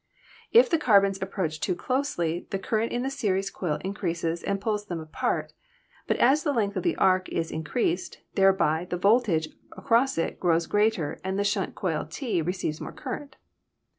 If the carbons approach too closely the current in the series coil increases and pulls them apart, but as the length of the arc is increased* thereby the voltage across it grows greater and the shunt coil T receives more current.